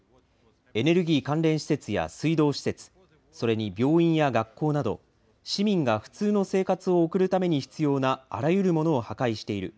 エネルギー関連施設や水道施設、それに病院や学校など、市民が普通の生活を送るために必要なあらゆるものを破壊している。